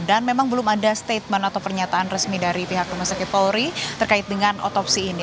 dan memang belum ada statement atau pernyataan resmi dari pihak rumah sakit polri terkait dengan otopsi ini